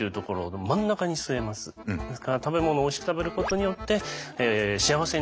ですから食べ物をおいしく食べることによって幸せになりたいと。